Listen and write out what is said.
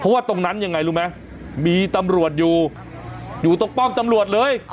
เพราะว่าตรงนั้นยังไงรู้ไหมมีตำรวจอยู่อยู่ตรงป้อมตำรวจเลย